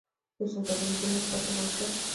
د سوداګریز بیلانس کسر باید کم شي